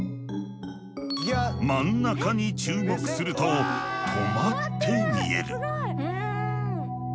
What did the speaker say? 真ん中に注目すると止まって見える。